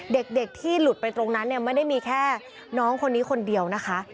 เด็กที่หลุดไปตรงนั้นเนี่ยไม่ได้มีแค่น้องคนนี้คนเดียวนะคะ